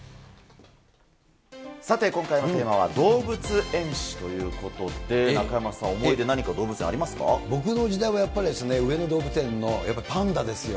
さて、今回のテーマは動物園史ということで、中山さん、思い出、何か動僕の時代はやっぱりですね、上野動物園の、やっぱパンダですよ。